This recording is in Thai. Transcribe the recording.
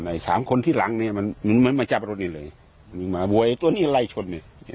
ไอ้สามคนที่หลังเนี้ยมันมันมาจับรถนี่เลยมันวิ่งมาวัวไอ้ตัวนี้ไล่ชนเนี้ย